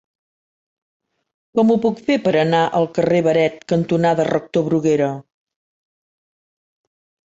Com ho puc fer per anar al carrer Beret cantonada Rector Bruguera?